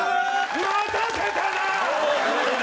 待たせたな！